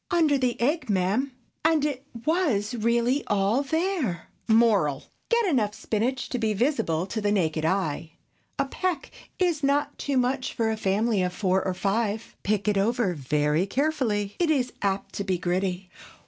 "Under the egg, ma'am!" And it was really all there. Moral.—Get enough spinach to be visible to the naked eye. A peck is not too much for a family of four or five. Pick it over very carefully; it is apt to be gritty.